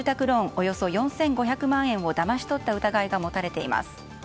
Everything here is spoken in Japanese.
およそ４５００万円をだまし取った疑いが持たれています。